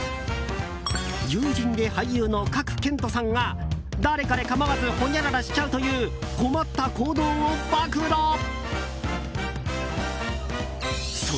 友人で俳優の賀来賢人さんが誰彼構わずほにゃららしちゃうという困った行動を暴露。